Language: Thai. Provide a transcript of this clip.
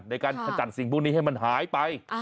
ในการขจัดสิ่งพวกนี้ให้มันหายไป